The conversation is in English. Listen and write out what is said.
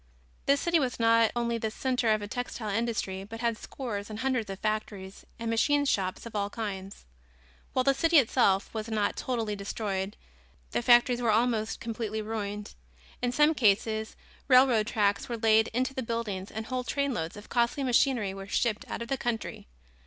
This city was not only the center of the textile industry, but had scores and hundreds of factories and machine shops of all kinds. While the city itself was not totally destroyed, the factories were almost completely ruined. In some cases railroad tracks were laid into the buildings and whole trainloads of costly machinery were shipped out of the country.